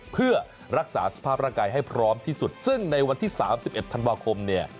เพื่อรักษาสภาพร่างกายให้พร้อมที่สุดซึ่งในวันที่๓๑ธันวาคมเนี่ย